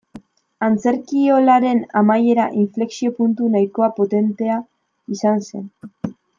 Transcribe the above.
Antzerkiolaren amaiera inflexio-puntu nahiko potentea izan zen.